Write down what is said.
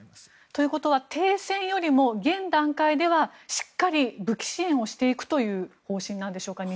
ということは停戦よりも現段階ではしっかり武器支援をしていくという方針なんでしょうか。